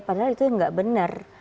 padahal itu tidak benar